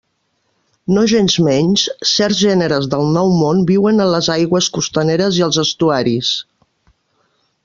Nogensmenys, certs gèneres del Nou Món viuen en les aigües costaneres i els estuaris.